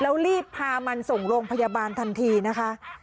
แล้วรีบพามันส่งโรงพยาบาลทันทีนะคะ